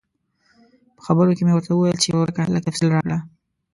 په خبرو کې مې ورته وویل چې ورورکه لږ تفصیل راکړه.